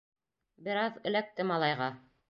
Бер аҙ эләкте малайға.